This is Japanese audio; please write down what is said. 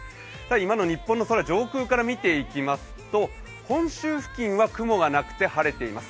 今の日本の空、上空から見ていきますと本州付近は雲がなくて晴れています。